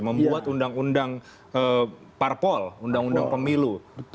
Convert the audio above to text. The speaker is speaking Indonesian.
membuat undang undang parpol undang undang pemilu